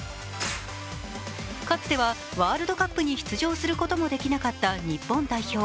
かつてはワールドカップに出場することもできなかった日本代表。